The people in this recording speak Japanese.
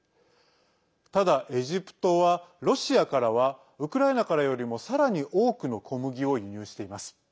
ただ、エジプトはロシアからはウクライナからよりもさらに多くの小麦を輸入しています。